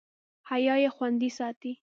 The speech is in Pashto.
حیا یې خوندي ساتي.